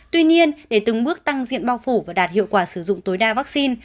tuy nhiên để từng bước tăng diện bao phủ và đạt hiệu quả sử dụng tối đa vắc xin